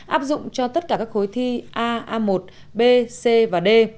áp dụng cho tất cả các khối thi a a một b c và d